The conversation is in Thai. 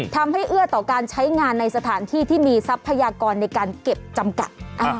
เอื้อต่อการใช้งานในสถานที่ที่มีทรัพยากรในการเก็บจำกัด